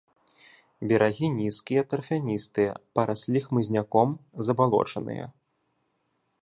Берагі нізкія тарфяністыя, параслі хмызняком, забалочаныя.